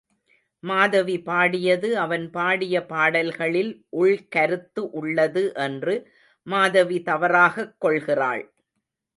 மாதவி பாடியது அவன் பாடிய பாடல்களில் உள்கருத்து உள்ளது என்று மாதவி தவறாகக் கொள்கிறாள்.